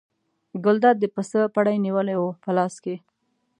ګلداد د پسه پړی نیولی و په لاس کې.